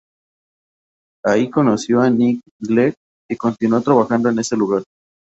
Ahí conoció a Nick Clegg y continuó trabajando en ese lugar.